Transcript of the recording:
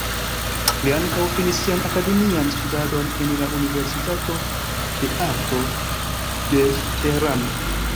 Li ankaŭ finis sian akademian studadon en la universitato de arto de Tehrano.